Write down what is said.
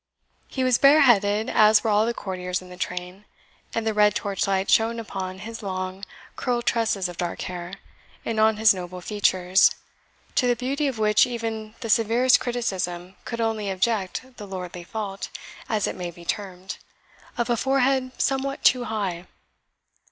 He was bareheaded as were all the courtiers in the train; and the red torchlight shone upon his long, curled tresses of dark hair, and on his noble features, to the beauty of which even the severest criticism could only object the lordly fault, as it may be termed, of a forehead somewhat too high.